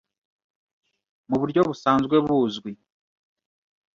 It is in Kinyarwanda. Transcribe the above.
mu buryo busanzwe buzwi